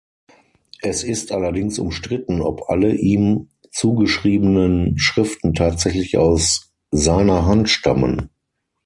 Es ist allerdings umstritten, ob alle ihm zugeschriebenen Schriften tatsächlich aus seiner Hand stammen.